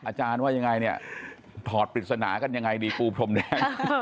อาจารย์ว่ายังไงเนี่ยถอดปริศนากันยังไงดีปูพรมแดง